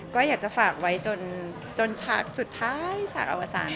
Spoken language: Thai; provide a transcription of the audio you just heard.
ก็อยากจะฝากไว้จนชาติสุดท้ายจากอวสารเลยค่ะ